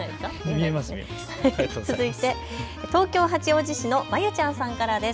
続いて東京八王子市のまゆちゅんさんからです。